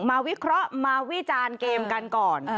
วิเคราะห์มาวิจารณ์เกมกันก่อน